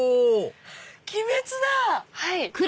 『鬼滅』だ。